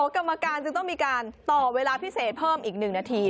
กรรมการจึงต้องมีการต่อเวลาพิเศษเพิ่มอีก๑นาที